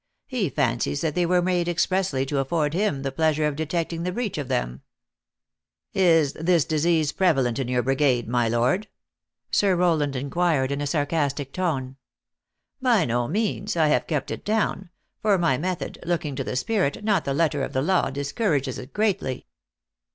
He fancies that they were made expressly to afford him the pleasure of detecting the breach of them." 388 THE ACTRESS IN HIGH LIFE. "Is this disease prevalent in your brigade, my lord?" Sir Rowland inquired in a sarcastic tone. " By no means ; I have kept it down ; for my method, looking to the spirit, not the letter of the law, discourages it greatly."